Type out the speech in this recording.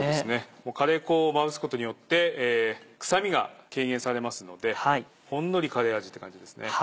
カレー粉をまぶすことによって臭みが軽減されますのでほんのりカレー味って感じですね。